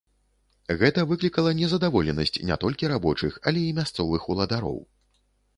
Гэта выклікала незадаволенасць не толькі рабочых, але і мясцовых уладароў.